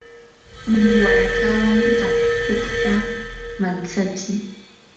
warakawan atuqta mantsachi.